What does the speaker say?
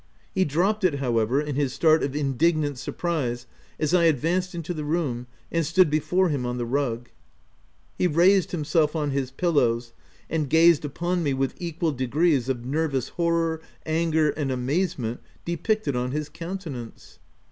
He dropped it, however, in his start of indignant surprise as I advanced into the room and stood before him on the rug. He raised himself on his pillows and gazed upon me with equal de grees of nervous horror, anger, and amazement depicted on his countenance.